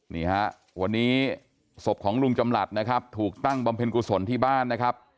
นี่ฮะวันนี้ศพของลุงจำหลัดนะครับถูกตั้งบำเพ็ญกุศลที่บ้านนะครับ